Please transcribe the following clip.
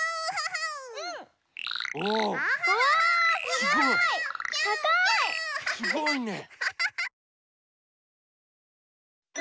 すごいね！